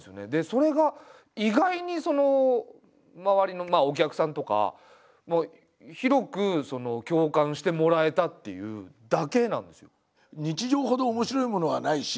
それが意外に周りのお客さんとか広く共感してもらえたというだけなんですよ。